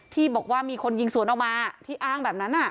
ที่บอกว่ามีคนยิงสวนออกมาที่อ้างแบบนั้น